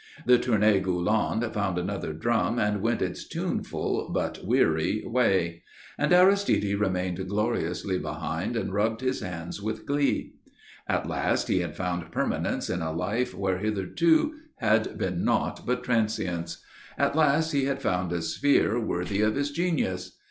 The Tournée Gulland found another drum and went its tuneful but weary way; and Aristide remained gloriously behind and rubbed his hands with glee. At last he had found permanence in a life where heretofore had been naught but transience. At last he had found a sphere worthy of his genius.